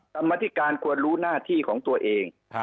กรรมธิการควรรู้หน้าที่ของตัวเอง